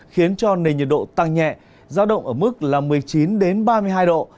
khiến cho nền nhiệt độ tăng nhẹ giao động ở mức một mươi chín ba mươi hai độ